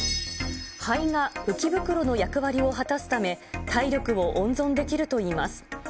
肺が浮き袋の役割を果たすため、体力を温存できるといいます。